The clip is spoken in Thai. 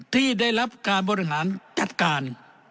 ที่ได้รับการบริหารจัดการ